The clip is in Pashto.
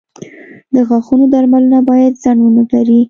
• د غاښونو درملنه باید ځنډ ونه لري.